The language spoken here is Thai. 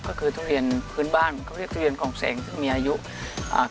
ก็คือทุเรียนพื้นบ้านเขาเรียกทุเรียนกองแสงซึ่งมีอายุอ่า